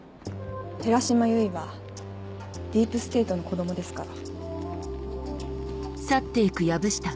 寺島唯はディープステートの子供ですから。